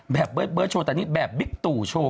แบบเบิร์ดโชว์แต่นี่แบบบิ๊กตู่โชว์